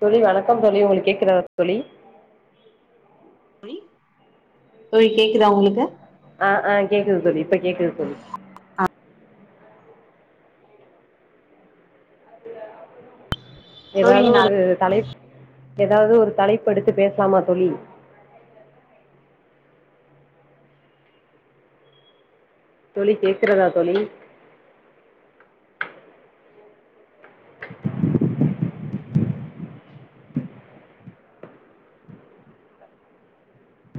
தோலி வணக்கம் தோலி உங்களுக்கு கேக்குத்தா தோலி தோலி கேக்குதா உங்களுக்கு ஆஹ் ஆஹ் கேக்குது தோலி இப்ப கேக்குது தோலி தோழி ஏதாவது நா ஒரு தலை ஏதாவது ஒரு தலைப்பு எடுத்து பேசலாமா தோலி தோலி கேக்குறதா தோலி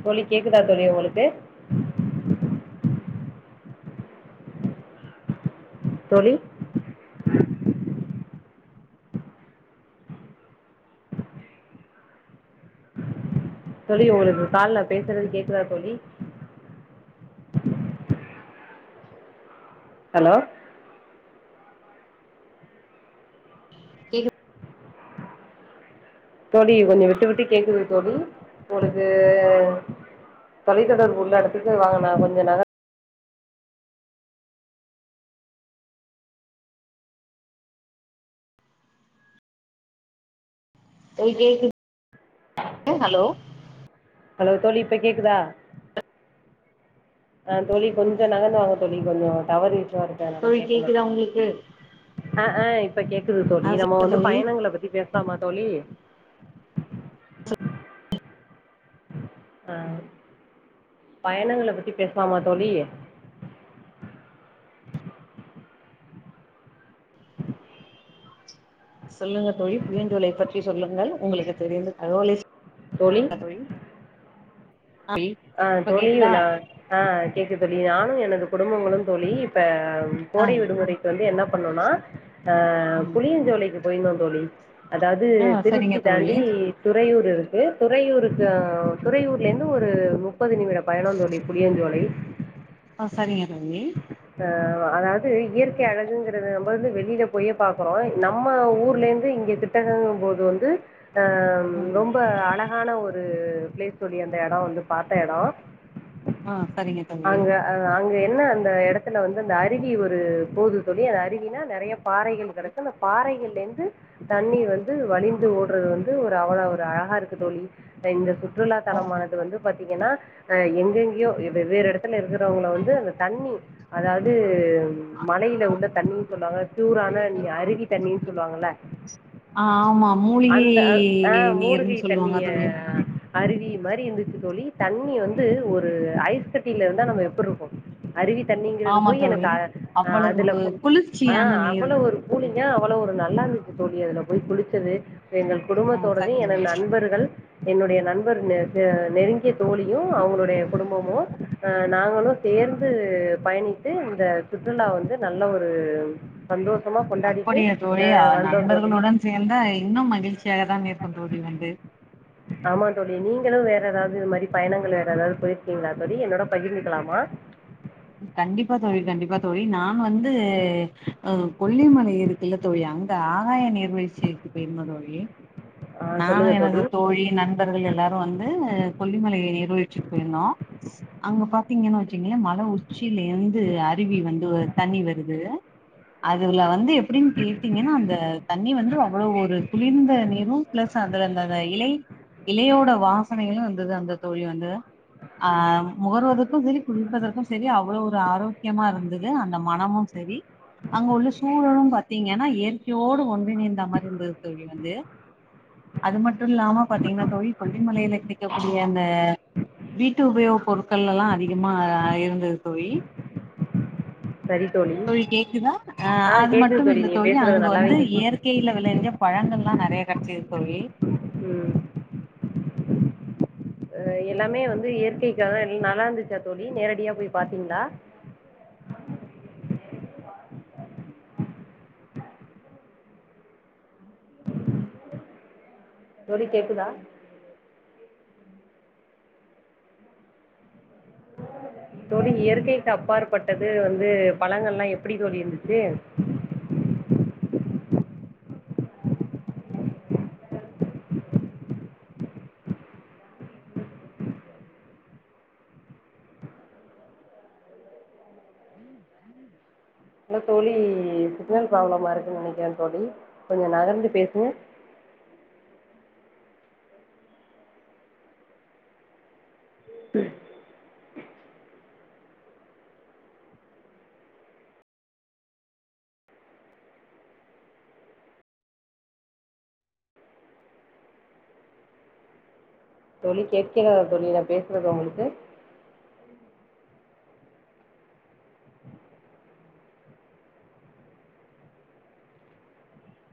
தோலி கேக்குதா தோலி உங்களுக்கு தோலி தோலி உங்களுக்கு கால்ல பேசுறது கேக்குதா தோலி ஹலோ கேகுது தோலி கொஞ்சோம் விட்டு விட்டு கேக்குது தோலி உங்களுக்கு தொலைத்தொடர்பு உள்ள இடத்துக்கு வாங்க நா கொஞ்சோம் நக தோலி கேக்கு [unintelligible] ஹலோ ஹலோ தோலி இப்ப கேக்குதா ஆஹ் தோலி கொஞ்சோம் நகந்து வாங்க தோலி கொஞ்சோம் டவர் [unintelligible] தோழி கேட்க கேக்குதா மாட்டேங்குது உங்களுக்கு ஆஹ் ஹ இப்ப கேக்குது ஆ தோலி நம்ம சொல்லுங்க வந்து தோழி பயணங்கள பத்தி பே [unintelligible] தோலி ஆஹ் பயணங்கள பத்தி பேசலாமா தோழி சொல்லுங்க தோழி புளியஞ்சோலைய பற்றி சொல்லுங்கள் உங்களுக்கு தெரிந்த தகவலை ஹ தோழி தோழி அஹ் இப்ப தோழி கேக்குதா நா ஆஹ் கேக்கு தோழி நானு எனது குடும்பங்களு தோழி இப்ப ஆ கோடை விடுமுறைக்கு வந்து என்ன பண்ணணுனா ஆஹ் ம் புளிய ஜோலைக்கு போயிருந்தோம் தோழி அதாவது ஆ சரிங்க திருச்சி தோழி தாண்டி துறையூர் இருக்கு துறையூரு துறையூர்ல இருந்து ஒரு முப்பது நிமிட பயனதோழி புளியஞ்சோலை ஆஹ சரிங்க தோழி ஆஹ் அதாவது இயற்கை அழகுங்கறத நம்ம வந்து வெளியில போயே பாக்குறோம் நம்ம ஊர்ல இருந்து இங்க கிட்டகங்கும் போது வந்து ம் ரொம்ப அழகான ஒரு பிளேஸ் தோழி அந்த இடம் வந்து பாத்த இடம் ஆ சரிங்க தோழி அங்க அங்க இல்ல அந்த இடத்துல வந்து அந்த அருவி ஒரு போவுது தொழி அந்த அருவினா நிறைய பாறைகள் கிடக்கு அந்த பாறைகள்லேருந்து தண்ணிர் வந்து வலிந்து ஓடுறது வந்து ஒரு அவள ஒரு அழகா இருக்கு தோழி இந்த சுற்று சுற்றுலா ஆ தலமானது வந்து பாத்து பாத்தீங்கன்னா எங்கெங்கேயோ வெவ்வேறு இடத்துல இருக்கிறவங்க வந்து அந்த தண்ணி அதாவது மலையில உள்ள தண்ணீனு சொல்லுவாங்க பியூரான அருவி தண்ணின்னு சொல்லுவாங்கல்ல ஆமா மூலிகை அந்த ஆஹ் மூலிகை நீர்ன்னு சொல்லுவாங்க தண்ணிய தோழி அருவி மாரி இருந்துச்சு தோழி தண்ணி வந்து ஒரு ஐஸ் கட்டில இருந்தா நம்ம எப்படி இருக்கு அருவி தண்ணிங்கறது ஆமா போய் எனக்கு தோழி அதுல அவ்வளவு போய் ஆஹ் குளிர்ச்சியான நீர் அவ்வளோ ஒரு ம் கூலிங்கா அவ்வளோ ஒரு நல்லா இருந்துச்சு தோழி அதுல போய் குளிச்சது எங்கள் ஆ குடும்பத்தோடவே எனது சரிங்க நண்பர்கள் என்னுடைய நண்பர் நெருங்கிய நெருங்கிய தோழியும் அவங்களுடைய குடும்பமும் நாங்களும் சேர்ந்து பயணித்து இந்த சுற்றுலா வந்து நல்ல ஒரு சந்தோஷம் அப்படிய தோழி நண்பர்களுடன் சேர்ந்த இன்னும் மகிழ்ச்சியாக தான் இருக்கும் தோழி வந்து ஆமா தோழி நீங்களும் வேற ஏதாவது இது மாதிரி பயணங்கள் வேற ஏதாவது போயிருக்கீங்களா தோழி என்னோட பகிர்ந்துக்கலாமா கண்டிப்பா தோழி கண்டிப்பா தோழி நான் வந்து ஆஹ் [unintelligible] கொல்லிமலை இருக்குல்ல தோழி அங்க ஆகாய நீர்வீழ்ச்சிக்கு பெயிருந்தோம் தோழி ஆ நானும் சொல்லுங்கள் எனது தோழி நண்பர்கள் எல்லாரும் வந்து கொல்லிமலையை நீர்வீழ்ச்சிக்கு போயிருந்தோம் அங்க பாத்தீங்கன்னு வச்சீங்களே மழை உச் உச்சியில இருந்து அருவி வந்து தண்ணி வருது அதுல வந்து அப்படின்னு கேட்டீங்கன்னா அந்த தண்ணி வந்து அவ்வளோ ஒரு குளிர்ந்த நீரும் பிளஸ் அதுல அந்த அந்த இலை இலையோட வாசனைகளும் வந்தது அந்த தோழி வந்து ம் ஆஹ் முகர்வதற்கு சேரி குலி ப்பதற்கும் சேரி அவ்வளவு ஒரு ஆரோக்கியமா இருந்தது அந்த மனமும் சேரி அங்க உள்ள சூழலும் பாத்தீங்கன்னா இயற்கையோடு ஒன்றிணந்த மாரி இருந்தது தோழி வந்து அது மட்டும் இல்லாம பாத்தீங்கன்னா தோழி கொல்லிமலில கிடைக்கக்கூடிய அந்த வீட்டு உபயோக பொருட்கள் எல்லாம் அதிகமா இரு து தோழி தோழி கேக்குதா அஹ் ஆ அது கேட்குது மட்டும் இந்த நீங்கள் தோழி பேசுகிறது அங்க நல்லாவே வந்து கேட்குது இயற்கையில விளைச பழங்கள் எல்லாம் நிறைய கடைச்சிது தோழி உம் அஹ் எல்லாமே வந்து இயற்கைக்கா நல்லா இருந்துச்சா தோழி நேரடியா போய் பார்த்தீங்களா தோழி கேக்குதா தோழி இயற்கைக்கு அப்பாற்பட்டது வந்து பழங்கள்லாம் எப்படி தோழி இருந்துச்சு இல்ல தோழி சிக்னல் ப்ராப்ளமா இருக்குன்னு நினைக்கிறேன் தோழி கொஞ்ச நகர்ந்து பேசுங்க சரி [inaudible] தோழி கேட்கிறத தோழி நான் பேசுறது உங்களுக்கு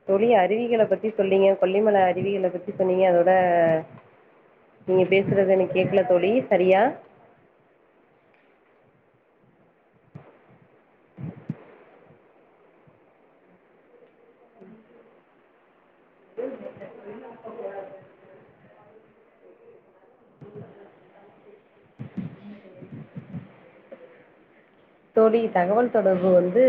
தோழி அருவிகளை பத்தி சொன்னீங்க கொல்லிமலை அருவிகளை பத்தி சொன்னீங்க அதோட நீங்க பேசுறது எனக்கு கேக்கல தோழி சரியா [inaudible] [inaudible] தோழி தகவல் தொடர்பு வந்து